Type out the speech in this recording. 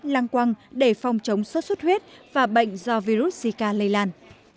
lăng quăng để phòng chống sốt xuất huyết và bệnh do virus zika lây lan